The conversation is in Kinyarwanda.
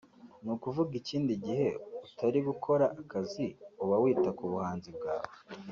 ni ukuvuga ikindi gihe utari gukora akazi uba wita ku buhanzi bwawe